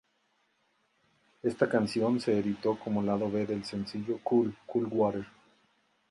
Esta canción se editó como lado B del sencillo "Cool, Cool Water".